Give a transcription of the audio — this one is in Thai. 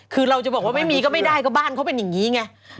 คือเราจะบอกว่าไม่มีก็ไม่ได้ก็บ้านเขาเป็นอย่างนี้ไง